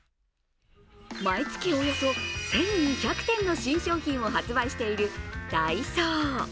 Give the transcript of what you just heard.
毎月およそ１２００点の新商品を販売しているダイソー。